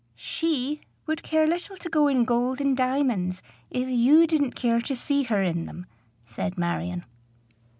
"She would care little to go in gold and diamonds, if you didn't care to see her in them," said Marion.